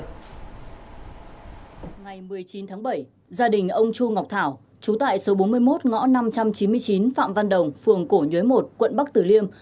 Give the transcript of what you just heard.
ngày một mươi chín tháng bảy gia đình ông chu ngọc thảo chú tại số bốn mươi một ngõ năm trăm chín mươi chín phạm văn đồng phường cổ nhuế một quận bắc tử liêm